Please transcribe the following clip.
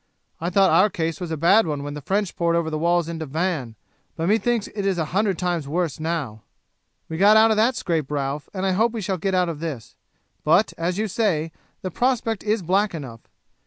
I thought our case was a bad one when the French poured over the walls into Vannes but methinks it is a hundred times worse now. "We got out of that scrape, Ralph, and I hope we shall get out of this, but, as you say, the prospect is black enough.